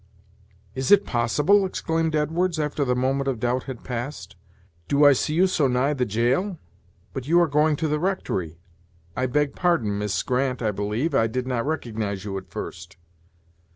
"Is it possible!" exclaimed Edwards, after the moment of doubt had passed; "do I see you so nigh the jail! but you are going to the rectory: I beg pardon, Miss Grant, I believe; I did not recognize you at first."